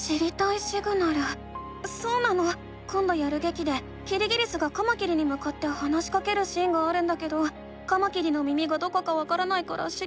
そうなのこんどやるげきでキリギリスがカマキリにむかって話しかけるシーンがあるんだけどカマキリの耳がどこかわからないから知りたいの。